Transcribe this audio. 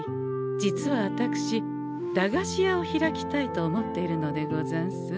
実はあたくし駄菓子屋を開きたいと思っているのでござんす。